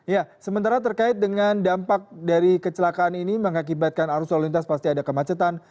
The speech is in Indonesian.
ya sementara terkait dengan dampak dari kecelakaan ini mengakibatkan arus lalu lintas pasti ada kemacetan